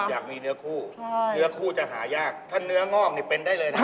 อยากมีเนื้อคู่เนื้อคู่จะหายากถ้าเนื้องอกนี่เป็นได้เลยนะ